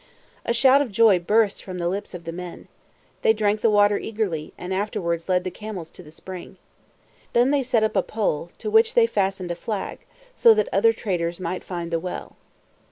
A shout of joy burst from the lips of the men. They drank the water eagerly, and afterwards led the camels to the spring. Then they set up a pole, to which they fastened a flag, so that other traders might find the well.